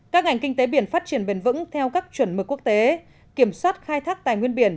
các ngành kinh tế biển phát triển bền vững theo các chuẩn mực quốc tế kiểm soát khai thác tài nguyên biển